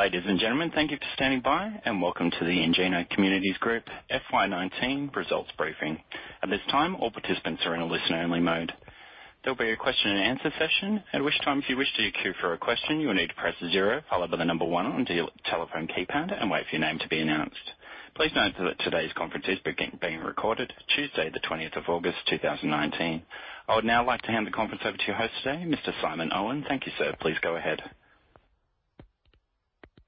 Ladies and gentlemen, thank you for standing by, and welcome to the Ingenia Communities Group FY 2019 Results Briefing. At this time, all participants are in a listen-only mode. There'll be a question and answer session, at which time, if you wish to de-queue for a question, you will need to press 0, followed by the number 1 on your telephone keypad and wait for your name to be announced. Please note that today's conference is being recorded Tuesday, the 20th of August, 2019. I would now like to hand the conference over to your host today, Mr. Simon Owen. Thank you, sir. Please go ahead.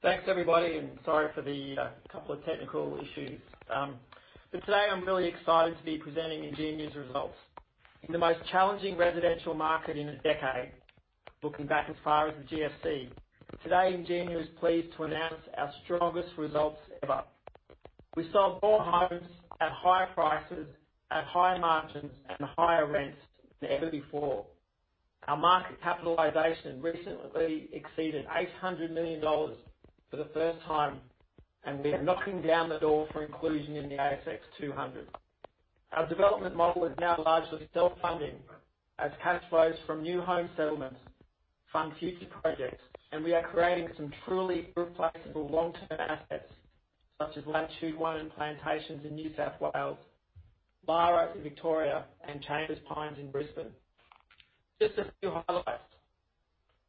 Thanks, everybody, and sorry for the couple of technical issues. Today I'm really excited to be presenting Ingenia's results. In the most challenging residential market in a decade, looking back as far as the GFC, today Ingenia is pleased to announce our strongest results ever. We sold more homes at higher prices, at higher margins, and higher rents than ever before. Our market capitalization recently exceeded 800 million dollars for the first time, and we're knocking down the door for inclusion in the ASX 200. Our development model is now largely self-funding, as cash flows from new home settlements fund future projects, and we are creating some truly irreplaceable long-term assets, such as Latitude One in New South Wales, Lara in Victoria, and Chambers Pines in Brisbane. Just a few highlights.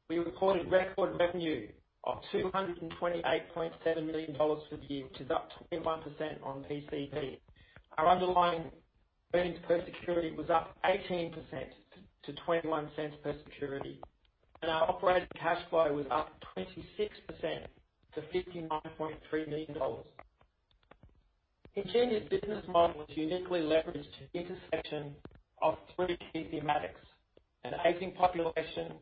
We recorded record revenue of 228.7 million dollars for the year, which is up 21% on PCP. Our underlying earnings per security was up 18% to 0.21 per security. Our operating cash flow was up 26% to 59.3 million dollars. Ingenia's business model is uniquely leveraged at the intersection of three key thematics: an aging population,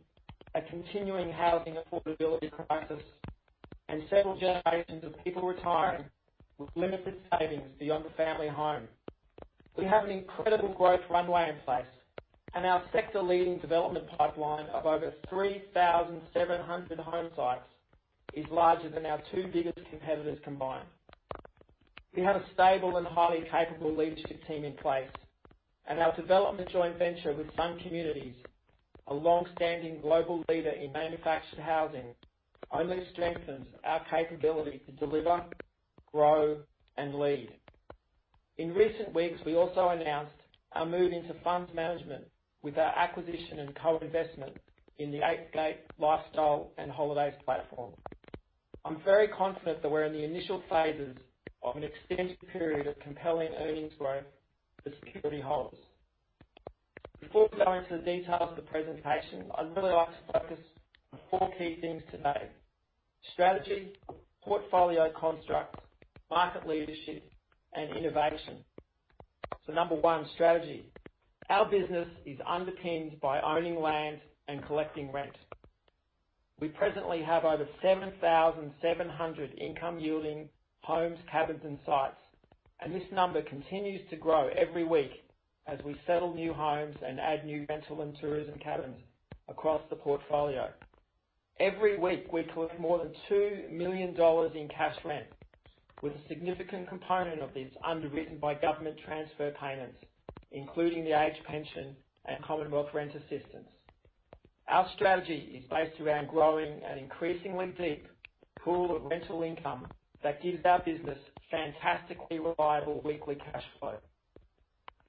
a continuing housing affordability crisis, and several generations of people retiring with limited savings beyond the family home. We have an incredible growth runway in place. Our sector-leading development pipeline of over 3,700 home sites is larger than our two biggest competitors combined. We have a stable and highly capable leadership team in place. Our development joint venture with Sun Communities, a long-standing global leader in manufactured housing, only strengthens our capability to deliver, grow, and lead. In recent weeks, we also announced our move into funds management with our acquisition and co-investment in the Eighth Gate Lifestyle and Holidays platform. I'm very confident that we're in the initial phases of an extended period of compelling earnings growth for security holders. Before we go into the details of the presentation, I'd really like to focus on four key things today. Strategy, portfolio construct, market leadership, and innovation. Number one, strategy. Our business is underpinned by owning land and collecting rent. We presently have over 7,700 income-yielding homes, cabins, and sites. This number continues to grow every week as we settle new homes and add new rental and tourism cabins across the portfolio. Every week, we collect more than 2 million dollars in cash rent, with a significant component of this underwritten by government transfer payments, including the age pension and Commonwealth Rent Assistance. Our strategy is based around growing an increasingly deep pool of rental income that gives our business fantastically reliable weekly cash flow.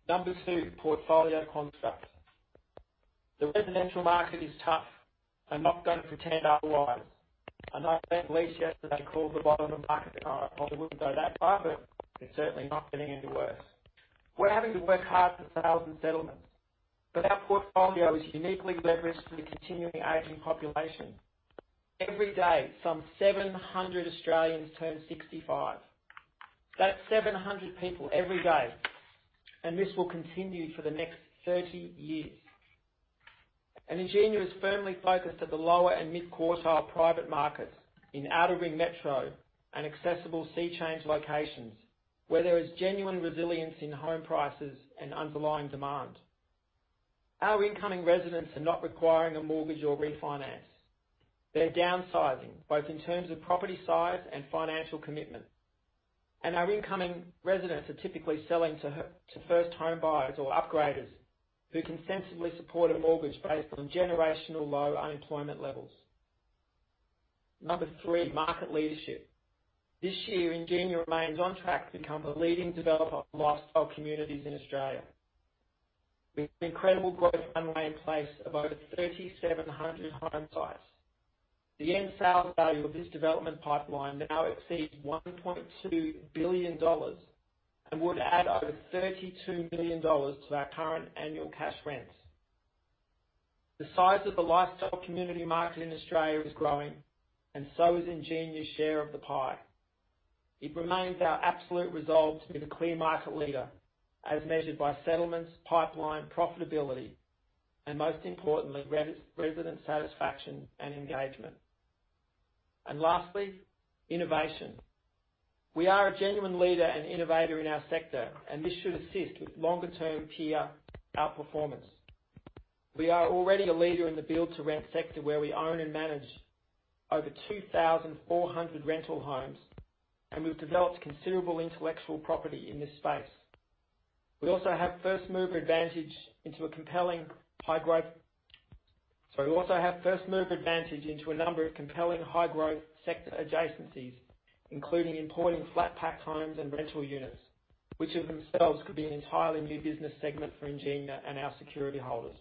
Number 2, portfolio construct. The residential market is tough. I'm not going to pretend otherwise. I know Ben Leish yesterday called the bottom of the market, I probably wouldn't go that far, but it's certainly not getting any worse. We're having to work hard for sales and settlements, our portfolio is uniquely leveraged to the continuing aging population. Every day, some 700 Australians turn 65. That's 700 people every day, this will continue for the next 30 years. Ingenia is firmly focused at the lower and mid-quartile private markets in outer-ring metro and accessible sea-change locations where there is genuine resilience in home prices and underlying demand. Our incoming residents are not requiring a mortgage or refinance. They're downsizing, both in terms of property size and financial commitment. Our incoming residents are typically selling to first homebuyers or upgraders who can sensibly support a mortgage based on generational low unemployment levels. Number 3, market leadership. This year, Ingenia remains on track to become the leading developer of lifestyle communities in Australia. We have an incredible growth runway in place of over 3,700 home sites. The end sales value of this development pipeline now exceeds 1.2 billion dollars and would add over 32 million dollars to our current annual cash rents. The size of the lifestyle community market in Australia is growing, and so is Ingenia's share of the pie. It remains our absolute resolve to be the clear market leader as measured by settlements, pipeline profitability, and most importantly, resident satisfaction and engagement. Lastly, innovation. We are a genuine leader and innovator in our sector, and this should assist with longer-term peer outperformance. We are already a leader in the build-to-rent sector, where we own and manage over 2,400 rental homes, and we've developed considerable intellectual property in this space. We also have first-mover advantage into a number of compelling high-growth sector adjacencies, including importing flat-pack homes and rental units, which in themselves could be an entirely new business segment for Ingenia and our security holders.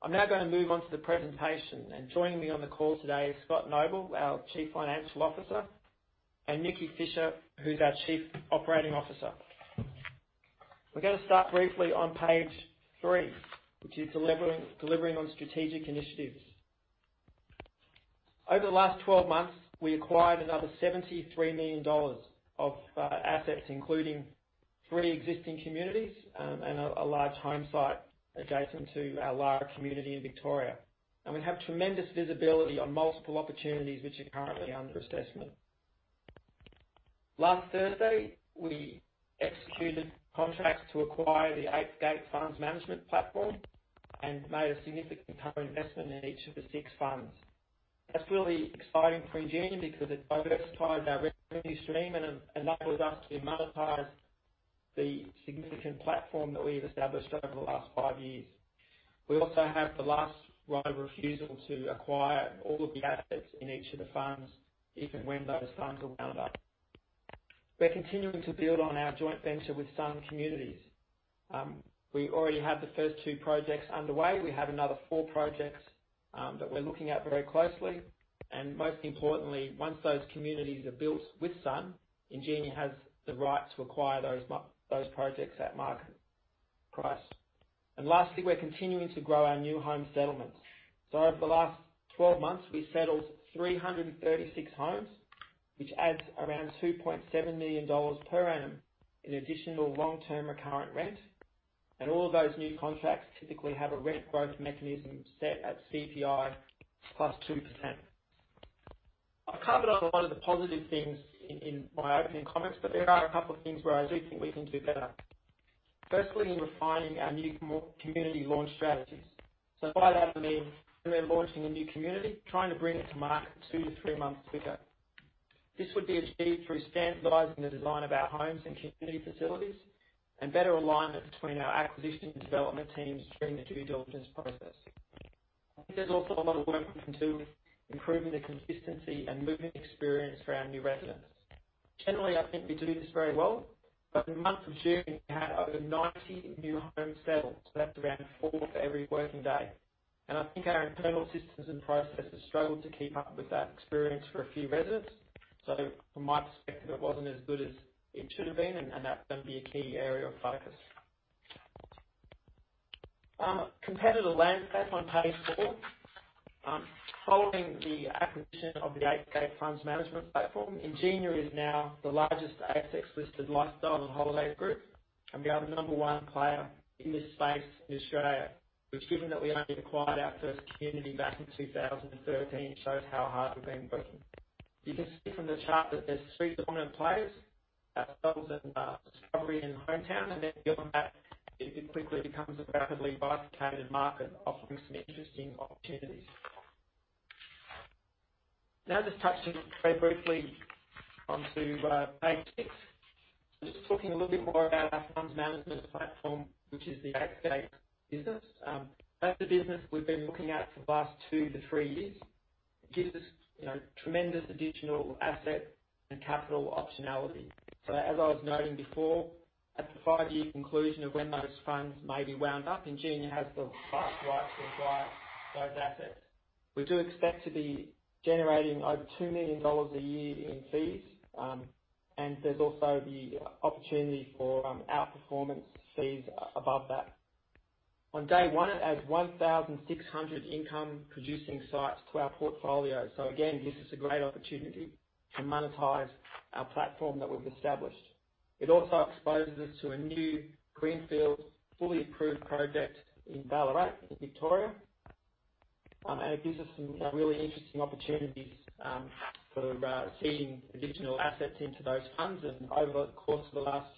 I'm now going to move on to the presentation. Joining me on the call today is Scott Noble, our Chief Financial Officer, and Nikki Fisher, who's our Chief Operating Officer. We're going to start briefly on page three, which is delivering on strategic initiatives. Over the last 12 months, we acquired another 73 million dollars of assets, including three existing communities and a large home site adjacent to our large community in Victoria. We have tremendous visibility on multiple opportunities, which are currently under assessment. Last Thursday, we executed contracts to acquire the Eighth Gate Funds Management platform and made a significant co-investment in each of the six funds. That's really exciting for Ingenia because it diversified our revenue stream and enables us to monetize the significant platform that we've established over the last five years. We also have the last right of refusal to acquire all of the assets in each of the funds, even when those funds are wound up. We're continuing to build on our joint venture with Sun Communities. We already have the first two projects underway. We have another four projects that we're looking at very closely. Most importantly, once those communities are built with Sun, Ingenia has the right to acquire those projects at market price. Lastly, we're continuing to grow our new home settlements. Over the last 12 months, we settled 336 homes, which adds around 2.7 million dollars per annum in additional long-term recurrent rent. All of those new contracts typically have a rent growth mechanism set at CPI plus 2%. I've covered off a lot of the positive things in my opening comments, but there are a couple of things where I do think we can do better. Firstly, in refining our new community launch strategies. By that, I mean when we're launching a new community, trying to bring it to market two to three months quicker. This would be achieved through standardizing the design of our homes and community facilities and better alignment between our acquisition and development teams during the due diligence process. I think there's also a lot of work we can do with improving the consistency and move-in experience for our new residents. Generally, I think we do this very well, but in the month of June, we had over 90 new homes settled. That's around four for every working day. I think our internal systems and processes struggled to keep up with that experience for a few residents. From my perspective, it wasn't as good as it should have been, and that's going to be a key area of focus. Competitor landscape on page four. Following the acquisition of the Eighth Gate Funds Management platform, Ingenia is now the largest ASX-listed lifestyle and holiday group, and we are the number 1 player in this space in Australia, which given that we only acquired our first community back in 2013, shows how hard we've been working. You can see from the chart that there's three dominant players, ourselves and Discovery and Hometown, and then beyond that, it quickly becomes a rapidly bifurcated market, offering some interesting opportunities. Just touching very briefly onto page six. Just talking a little bit more about our funds management platform, which is the Eighth Gate business. That's a business we've been looking at for the last 2 to 3 years. It gives us tremendous additional asset and capital optionality. As I was noting before, at the five-year conclusion of when those funds may be wound up, Ingenia has the first right to acquire those assets. We do expect to be generating over 2 million dollars a year in fees, and there's also the opportunity for outperformance fees above that. On day one, it adds 1,600 income-producing sites to our portfolio. Again, gives us a great opportunity to monetize our platform that we've established. It also exposes us to a new greenfield, fully approved project in Ballarat, in Victoria. It gives us some really interesting opportunities for seeding additional assets into those funds. Over the course of the last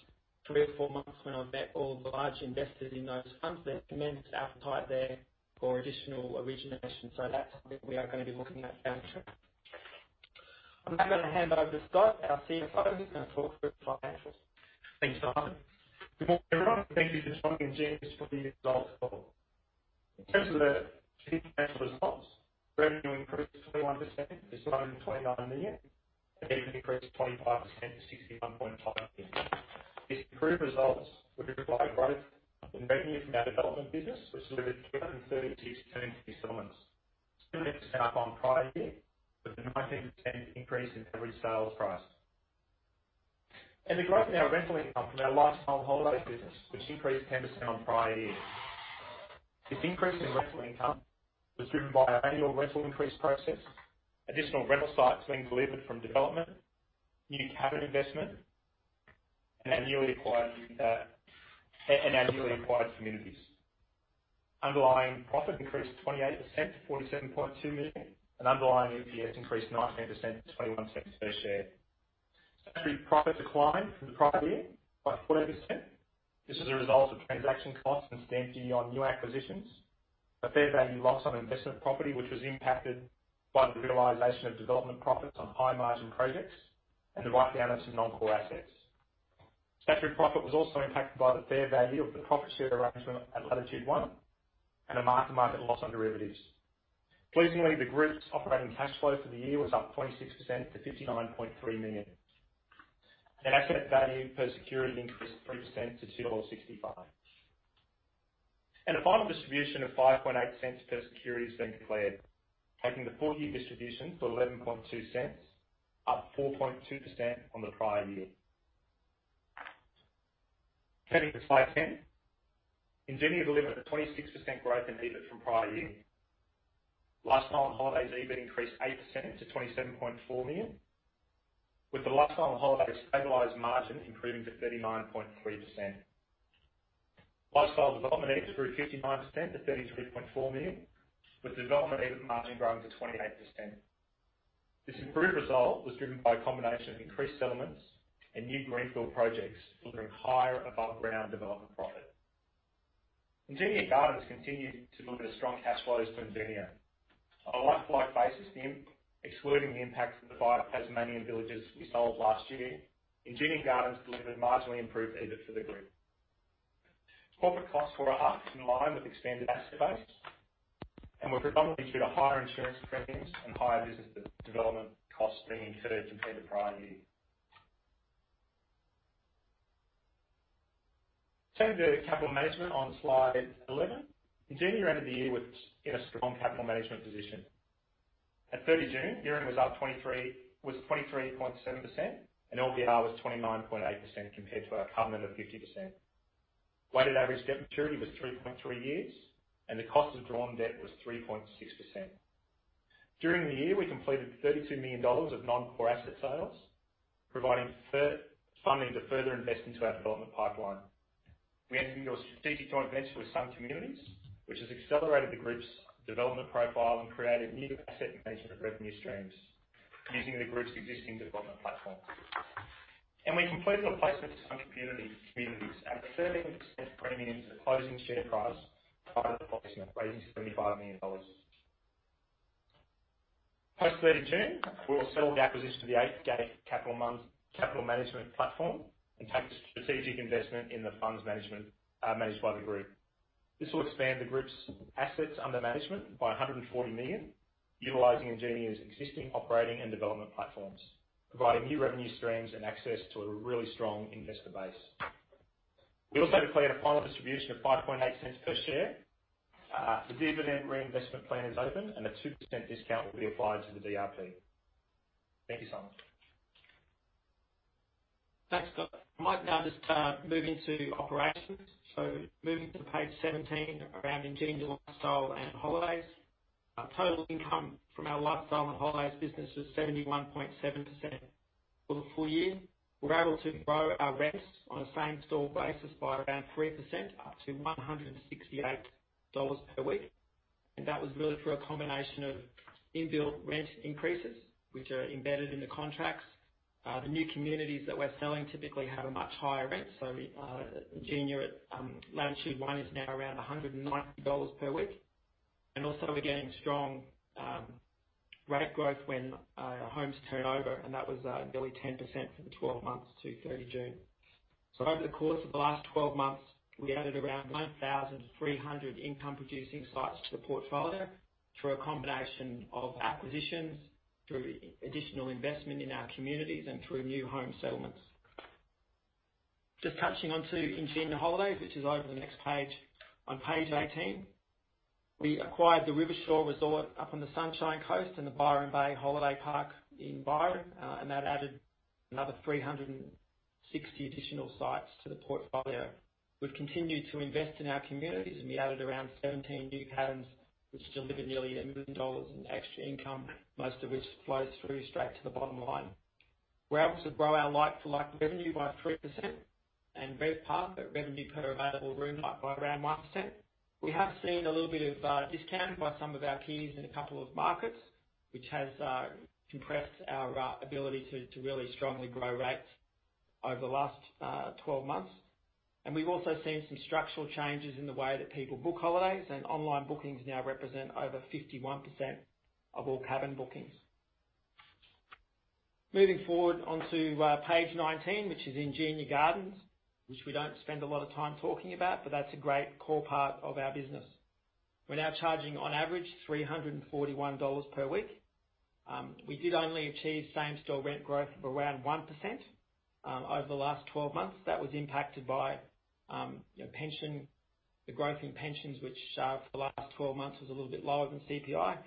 three or four months, when I've met all the large investors in those funds, there's tremendous appetite there for additional origination. That's something we are going to be looking at down the track. I'm now going to hand over to Scott, our CFO, who's going to talk through the financials. Thanks, Simon. Good morning, everyone. Thank you for joining Ingenia for the results call. In terms of the financial results, revenue increased 21% to 729 million and EBITDA increased 25% to 61.5 million. These improved results were driven by growth in revenue from our development business, which delivered 236 turnkey settlements, 2% up on prior year with a 19% increase in average sales price. The growth in our rental income from our lifestyle and holiday business, which increased 10% on prior year. This increase in rental income was driven by our annual rental increase process, additional rental sites being delivered from development, new cabin investment, and our newly acquired communities. Underlying profit increased 28% to 47.2 million and underlying EPS increased 19% to 0.21 per share. Statutory profit declined from the prior year by 14%. This is a result of transaction costs and stamp duty on new acquisitions. A fair value loss on investment property, which was impacted by the realization of development profits on high-margin projects and the write-down of some non-core assets. Statutory profit was also impacted by the fair value of the profit share arrangement at Latitude One and a mark-to-market loss on derivatives. Pleasingly, the group's operating cash flow for the year was up 26% to 59.3 million. Net asset value per security increased 3% to AUD 2.65. A final distribution of 0.058 per security has been declared, taking the full-year distribution to 0.112, up 4.2% from the prior year. Turning to slide 10. Ingenia delivered a 26% growth in EBIT from prior year. Lifestyle and Holidays EBIT increased 8% to 27.4 million, with the Lifestyle and Holiday stabilized margin improving to 39.3%. Lifestyle development EBIT grew 59% to 33.4 million, with development EBIT margin growing to 28%. This improved result was driven by a combination of increased settlements and new greenfield projects delivering higher above-ground development profit. Ingenia Gardens continued to deliver strong cash flows to Ingenia. On a like-for-like basis then, excluding the impact of the five Tasmanian villages we sold last year, Ingenia Gardens delivered marginally improved EBIT for the group. Corporate costs were up in line with expanded asset base and were predominantly due to higher insurance premiums and higher business development costs being incurred compared to prior year. Turning to capital management on slide 11. Ingenia ended the year in a strong capital management position. At 30 June, gearing was up 23.7%, and LVR was 29.8% compared to our covenant of 50%. Weighted average debt maturity was 3.3 years, and the cost of drawn debt was 3.6%. During the year, we completed AUD 32 million of non-core asset sales, providing funding to further invest into our development pipeline. We entered into a strategic joint venture with Sun Communities, which has accelerated the group's development profile and created new asset management revenue streams using the group's existing development platform. We completed a placement of Sun Communities at a 13% premium to the closing share price, part of the placement raising AUD 75 million. Post 30 June, we will settle the acquisition of the Eighth Gate Capital Management platform and take a strategic investment in the funds managed by the group. This will expand the group's assets under management by 140 million, utilizing Ingenia's existing operating and development platforms, providing new revenue streams and access to a really strong investor base. We also declared a final distribution of 0.058 per share. The dividend reinvestment plan is open, and a 2% discount will be applied to the DRP. Thank you, Simon. Thanks, Scott. I might now just move into operations. Moving to page 17 around Ingenia Lifestyle and Holidays. Total income from our Lifestyle and Holidays business was 71.7% for the full year. We were able to grow our rents on a same-store basis by around 3%, up to 168 dollars per week. That was really through a combination of in-built rent increases, which are embedded in the contracts. The new communities that we're selling typically have a much higher rent. Ingenia at Latitude One is now around 190 dollars per week. Also, we're getting strong rate growth when our homes turn over, and that was nearly 10% for the 12 months to 30 June. Over the course of the last 12 months, we added around 1,300 income-producing sites to the portfolio through a combination of acquisitions, through additional investment in our communities, and through new home settlements. Just touching on to Ingenia Holidays, which is over the next page, on page 18. We acquired the Rivershore Resort up on the Sunshine Coast and the Byron Bay Holiday Park in Byron, and that added another 360 additional sites to the portfolio. We've continued to invest in our communities, and we added around 17 new cabins, which delivered nearly 1 million dollars in extra income, most of which flows through straight to the bottom line. We were able to grow our like-for-like revenue by 3%, and RevPAR, but revenue per available room night, by around 1%. We have seen a little bit of discount by some of our peers in a couple of markets, which has compressed our ability to really strongly grow rates over the last 12 months. We've also seen some structural changes in the way that people book holidays, and online bookings now represent over 51% of all cabin bookings. Moving forward onto page 19, which is Ingenia Gardens, which we don't spend a lot of time talking about, but that's a great core part of our business. We're now charging on average 341 dollars per week. We did only achieve same store rent growth of around 1% over the last 12 months. That was impacted by the growth in pensions, which for the last 12 months was a little bit lower than CPI.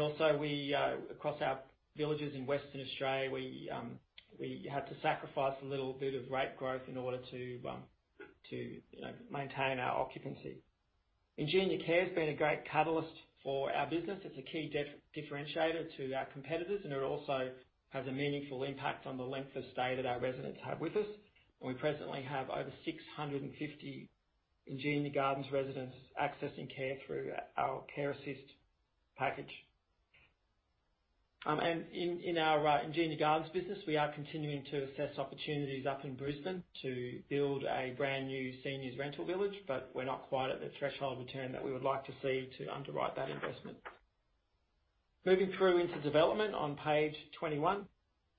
Also, across our villages in Western Australia, we had to sacrifice a little bit of rate growth in order to maintain our occupancy. Ingenia Care has been a great catalyst for our business. It's a key differentiator to our competitors. It also has a meaningful impact on the length of stay that our residents have with us. We presently have over 650 Ingenia Gardens residents accessing care through our care assist package. In our Ingenia Gardens business, we are continuing to assess opportunities up in Brisbane to build a brand new seniors rental village, but we're not quite at the threshold return that we would like to see to underwrite that investment. Moving through into development on page 21.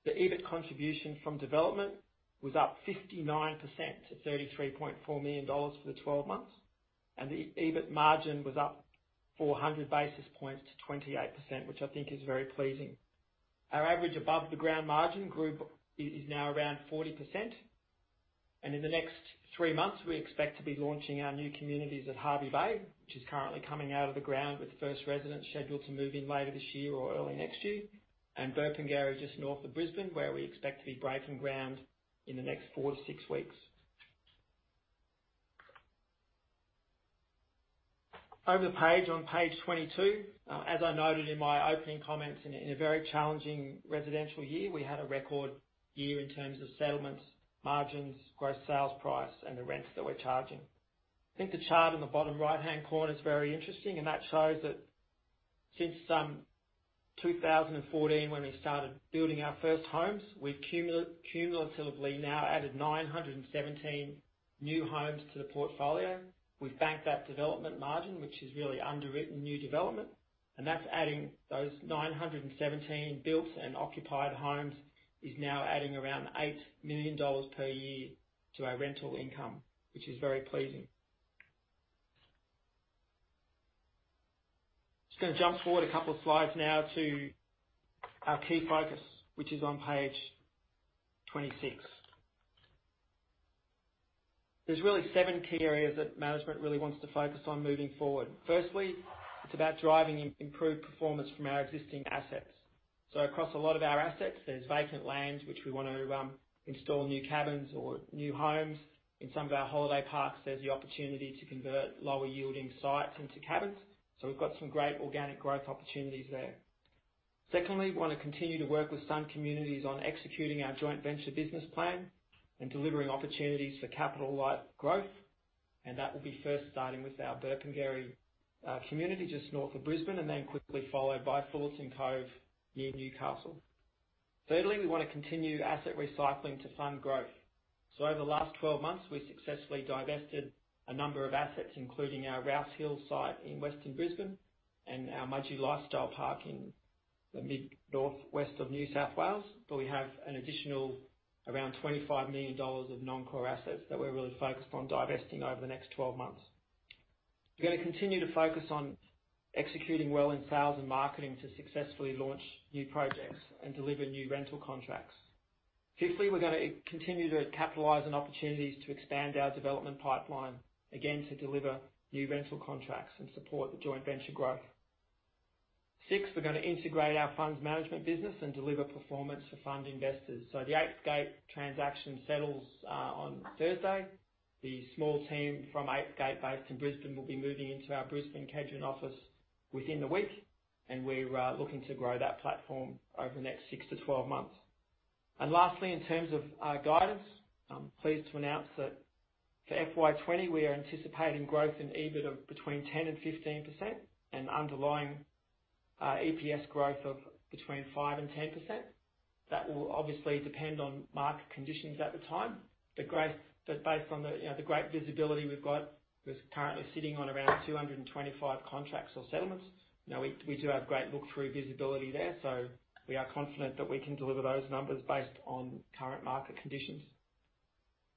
The EBIT contribution from development was up 59% to 33.4 million dollars for the 12 months, and the EBIT margin was up 400 basis points to 28%, which I think is very pleasing. Our average above the ground margin group is now around 40%, and in the next three months, we expect to be launching our new communities at Hervey Bay, which is currently coming out of the ground with the first residents scheduled to move in later this year or early next year. Burpengary, just north of Brisbane, where we expect to be breaking ground in the next four to six weeks. Over the page, on page 22, as I noted in my opening comments, in a very challenging residential year, we had a record year in terms of settlements, margins, gross sales price, and the rents that we're charging. I think the chart on the bottom right-hand corner is very interesting, and that shows that since 2014, when we started building our first homes, we've cumulatively now added 917 new homes to the portfolio. We've banked that development margin, which is really underwritten new development. That's adding those 917 built and occupied homes is now adding around 8 million dollars per year to our rental income, which is very pleasing. Just going to jump forward a couple of slides now to our key focus, which is on page 26. There's really seven key areas that management really wants to focus on moving forward. Firstly, it's about driving improved performance from our existing assets. Across a lot of our assets, there's vacant land, which we want to install new cabins or new homes. In some of our holiday parks, there's the opportunity to convert lower-yielding sites into cabins. We've got some great organic growth opportunities there. Secondly, we want to continue to work with Sun Communities on executing our joint venture business plan and delivering opportunities for capital light growth, and that will be first starting with our Burpengary community just north of Brisbane, and then quickly followed by Fullerton Cove near Newcastle. Thirdly, we want to continue asset recycling to fund growth. Over the last 12 months, we successfully divested a number of assets, including our Rouse Hill site in Western Sydney and our Mudgee Lifestyle Park in the mid-northwest of New South Wales, but we have an additional around 25 million dollars of non-core assets that we're really focused on divesting over the next 12 months. We're going to continue to focus on executing well in sales and marketing to successfully launch new projects and deliver new rental contracts. Fifthly, we're going to continue to capitalize on opportunities to expand our development pipeline, again, to deliver new rental contracts and support the joint venture growth. Sixth, we're going to integrate our funds management business and deliver performance for fund investors. The Eighth Gate transaction settles on Thursday. The small team from Eighth Gate based in Brisbane will be moving into our Brisbane Hamilton office within the week, and we're looking to grow that platform over the next 6 to 12 months. Lastly, in terms of our guidance, I'm pleased to announce that for FY 2020, we are anticipating growth in EBIT of between 10% and 15% and underlying EPS growth of between 5% and 10%. That will obviously depend on market conditions at the time. Based on the great visibility we've got, we're currently sitting on around 225 contracts or settlements. We do have great look-through visibility there, so we are confident that we can deliver those numbers based on current market conditions.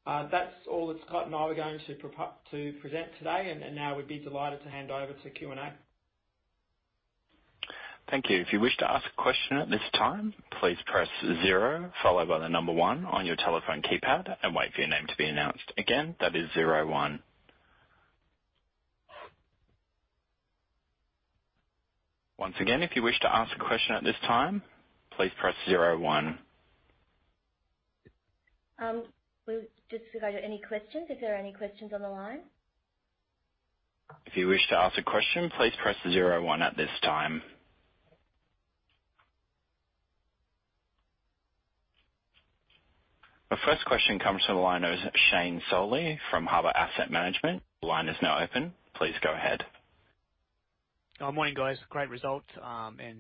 That's all that Scott and I were going to present today, now we'd be delighted to hand over to Q&A. Thank you. If you wish to ask a question at this time, please press zero followed by the number one on your telephone keypad and wait for your name to be announced. Again, that is zero one. Once again, if you wish to ask a question at this time, please press zero one. Just regarding any questions. If there are any questions on the line? If you wish to ask a question, please press 01 at this time. The first question comes to the line of Shane Solly from Harbour Asset Management. The line is now open. Please go ahead. Morning, guys. Great result.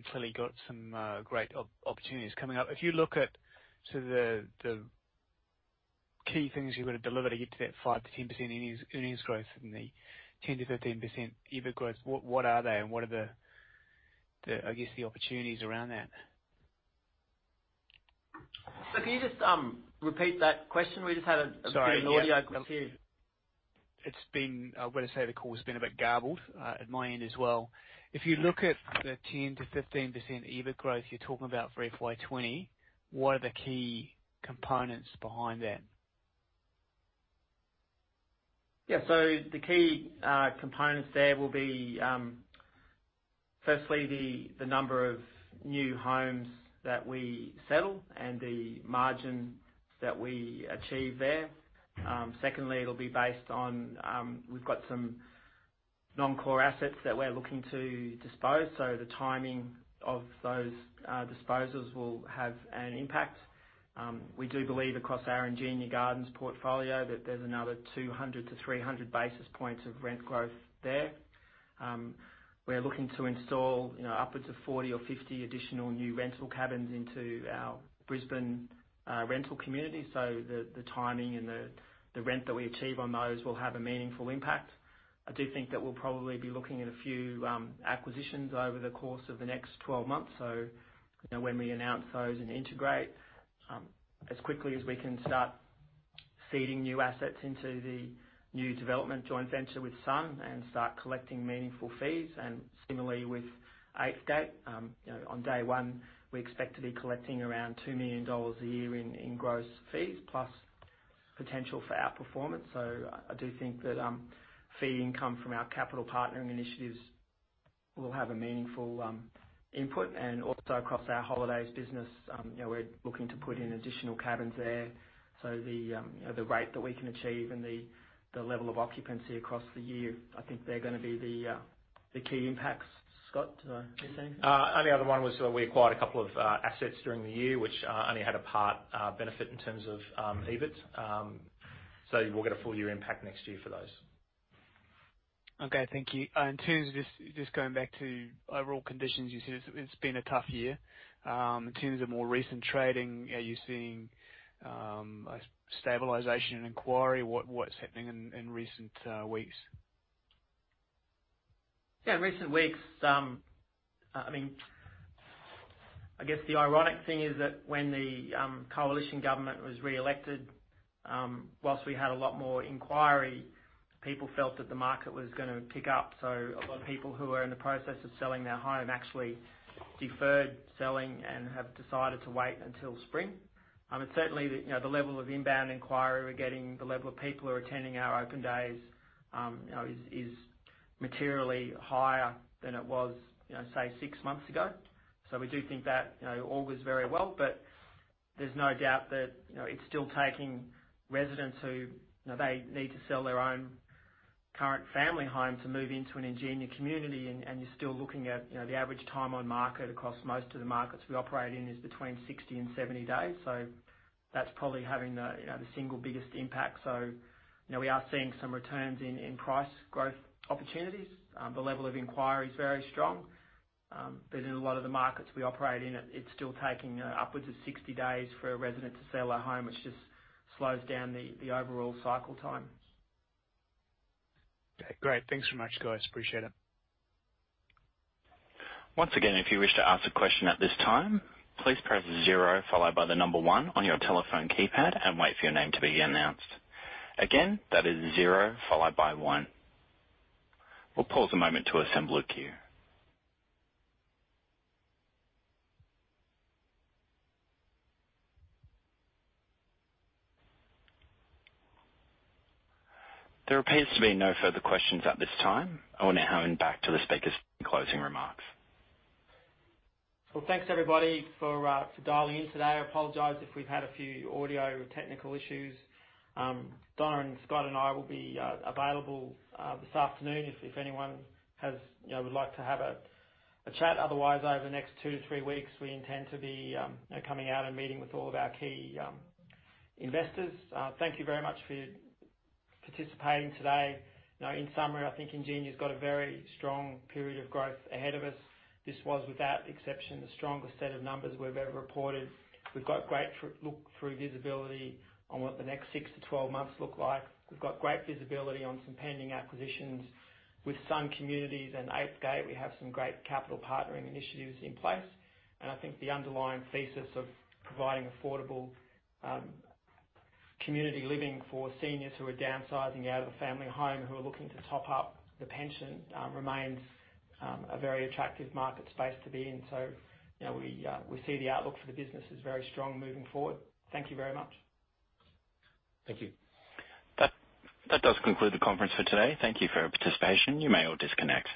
Clearly got some great opportunities coming up. If you look at the key things you got to deliver to get to that 5%-10% in earnings growth and the 10%-15% EBIT growth, what are they and what are the opportunities around that? Can you just repeat that question? We just had a bit of audio glitch here. I want to say the call has been a bit garbled, at my end as well. If you look at the 10%-15% EBIT growth you're talking about for FY 2020, what are the key components behind that? Yeah. The key components there will be, firstly, the number of new homes that we settle and the margin that we achieve there. Secondly, it'll be based on, we've got some non-core assets that we're looking to dispose. The timing of those disposals will have an impact. We do believe across our Ingenia Gardens portfolio that there's another 200 to 300 basis points of rent growth there. We're looking to install upwards of 40 or 50 additional new rental cabins into our Brisbane rental community. The timing and the rent that we achieve on those will have a meaningful impact. I do think that we'll probably be looking at a few acquisitions over the course of the next 12 months. When we announce those and integrate as quickly as we can, start feeding new assets into the new development joint venture with Sun and start collecting meaningful fees, and similarly with Eighth Gate. On day one, we expect to be collecting around 2 million dollars a year in gross fees plus potential for outperformance. I do think that fee income from our capital partnering initiatives will have a meaningful input. Also across our holidays business, we're looking to put in additional cabins there. The rate that we can achieve and the level of occupancy across the year, I think they're going to be the key impacts. Scott, do you want to add anything? Only other one was we acquired a couple of assets during the year, which only had a part benefit in terms of EBIT. We'll get a full year impact next year for those. Okay, thank you. Just going back to overall conditions, you said it's been a tough year. In terms of more recent trading, are you seeing a stabilization in inquiry? What's happening in recent weeks? In recent weeks, I guess the ironic thing is that when the coalition government was reelected, whilst we had a lot more inquiry, people felt that the market was going to pick up. A lot of people who were in the process of selling their home actually deferred selling and have decided to wait until spring. Certainly, the level of inbound inquiry we're getting, the level of people who are attending our open days, is materially higher than it was, say, six months ago. We do think that augurs very well, but there's no doubt that it's still taking residents who, they need to sell their own current family home to move into an Ingenia community, and you're still looking at the average time on market across most of the markets we operate in is between 60 and 70 days. That's probably having the single biggest impact. We are seeing some returns in price growth opportunities. The level of inquiry is very strong. In a lot of the markets we operate in, it's still taking upwards of 60 days for a resident to sell their home, which just slows down the overall cycle time. Okay, great. Thanks so much, guys. Appreciate it. Once again, if you wish to ask a question at this time, please press zero followed by the number one on your telephone keypad and wait for your name to be announced. Again, that is zero followed by one. We will pause a moment to assemble a queue. There appears to be no further questions at this time. I will now hand back to the speakers for closing remarks. Well, thanks everybody for dialing in today. I apologize if we've had a few audio technical issues. Shane and Scott and I will be available this afternoon if anyone would like to have a chat. Otherwise, over the next two to three weeks, we intend to be coming out and meeting with all of our key investors. Thank you very much for participating today. In summary, I think Ingenia's got a very strong period of growth ahead of us. This was, without exception, the strongest set of numbers we've ever reported. We've got great look-through visibility on what the next six to 12 months look like. We've got great visibility on some pending acquisitions with Sun Communities and Eighth Gate. We have some great capital partnering initiatives in place. I think the underlying thesis of providing affordable community living for seniors who are downsizing out of a family home who are looking to top up the pension remains a very attractive market space to be in. We see the outlook for the business is very strong moving forward. Thank you very much. Thank you. That does conclude the conference for today. Thank you for your participation. You may all disconnect.